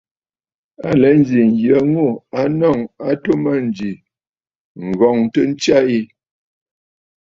À lɛ nzi nyə ŋû a nɔŋə̀ a tɨtɨ̀ɨ̀ mânjì, ŋ̀ghɔŋtə ntsya yi.